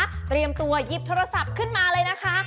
เตรียมตัวหยิบโทรศัพท์ขึ้นมาเลยนะคะ